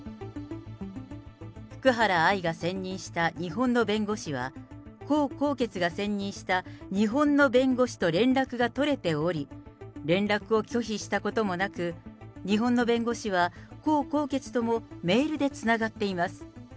福原愛が選任した日本の弁護士は江宏傑が選任した日本の弁護士と連絡が取れており、連絡を拒否したこともなく、日本の弁護士は江宏傑ともメールでつながっています。